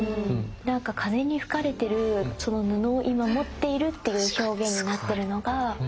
なんか風に吹かれてるその布を今持っているっていう表現になってるのがすごいですよね。